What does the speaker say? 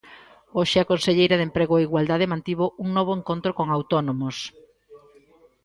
Hoxe a conselleira de Emprego e Igualdade mantivo un novo encontro con autónomos.